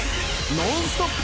ノンストップ！